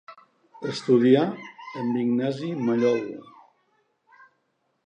Estudià amb Ignasi Mallol.